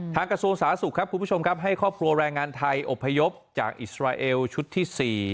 กระทรวงสาธารณสุขครับคุณผู้ชมครับให้ครอบครัวแรงงานไทยอบพยพจากอิสราเอลชุดที่๔